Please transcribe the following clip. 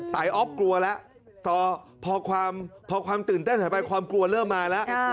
ไออ๊อฟกลัวแล้วพอความตื่นเต้นหายไปความกลัวเริ่มมาแล้ว